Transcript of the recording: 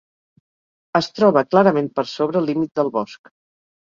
Es troba clarament per sobre el límit del bosc.